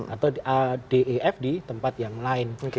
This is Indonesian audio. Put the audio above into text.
atau d e f di tempat yang lain